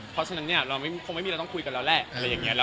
เพราะฉะนั้นเนี่ยเราไม่มีอะไรต้องคุยกันแล้วแหละ